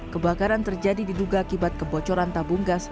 kebakaran terjadi diduga akibat kebocoran tabung gas